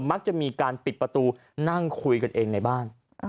มักจะมีการปิดประตูนั่งคุยกันเองในบ้าน